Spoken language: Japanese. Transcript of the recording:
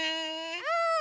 うん！